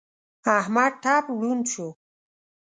احمد ټپ ړوند شو.